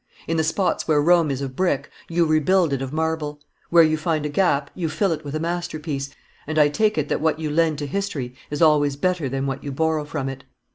In the spots where Rome is of brick, you rebuild it of marble; where you find a gap, you fill it with a masterpiece, and I take it that what you lend to history is always better than what you borrow from it.